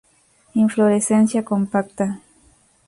Inflorescencia compacta.